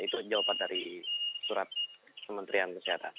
itu jawaban dari surat kementerian kesehatan